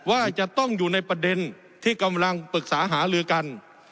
ว่าจะต้องอยู่ในประเด็นที่กำลังปรึกษาหาลือกัน